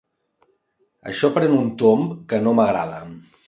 Això pren un tomb que no m'agrada.